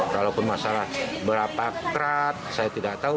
walaupun masalah berapa krat saya tidak tahu